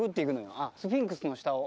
あっスフィンクスの下を。